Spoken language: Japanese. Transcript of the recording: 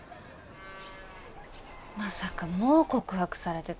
まさかもう告白されてたなんて。